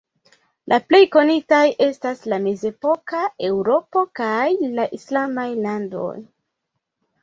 La plej konitaj estas la mezepoka Eŭropo, kaj la islamaj landoj.